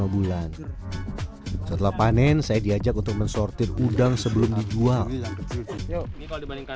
empat lima bulan setelah panen saya diajak untuk mensortir udang sebelum dijual kalau dibandingkan